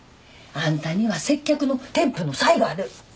あんたには接客の天賦の才がある。